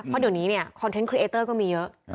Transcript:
เพราะเดี๋ยวนี้เนี่ยคอนเทนต์ครีเอเตอร์ก็มีเยอะ